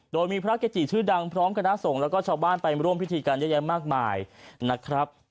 โดยมีพระเกจิชื่อดังพร้อมคณะสงฆ์แล้วก็ชาวบ้านไปร่วมพิธีกันเยอะแยะมากมายนะครับ